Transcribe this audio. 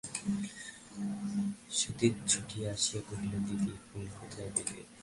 সতীশ ছুটিয়া আসিয়া কহিল, দিদি, ফুল কোথায় পেলে?